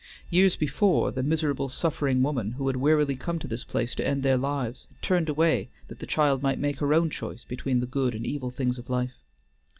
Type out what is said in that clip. Years before, the miserable, suffering woman, who had wearily come to this place to end their lives, had turned away that the child might make her own choice between the good and evil things of life.